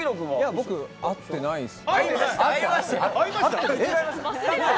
僕、会ってないです。